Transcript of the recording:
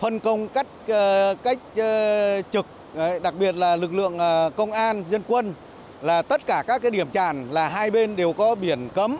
phân công cắt trực đặc biệt là lực lượng công an dân quân là tất cả các điểm tràn là hai bên đều có biển cấm